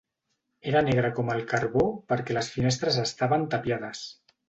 Era negre com el carbó perquè les finestres estaven tapiades.